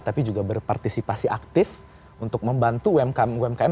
tapi juga berpartisipasi aktif untuk membantu umkm umkm